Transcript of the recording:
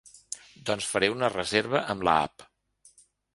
Doncs faré una reserva amb la app.